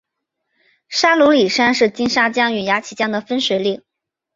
沙鲁里山是金沙江与雅砻江的分水岭。